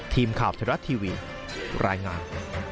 ทีมข่าวชะดัดทีวีรายงาน